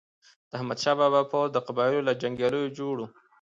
د احمد شاه بابا پوځ د قبایلو له جنګیالیو جوړ و.